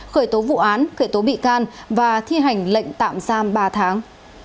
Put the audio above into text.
khởi tố vụ án khởi tố bị can và thi hành lệnh tạm giam ba tháng